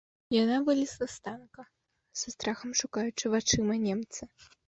Яна вылезла з танка, са страхам шукаючы вачыма немца.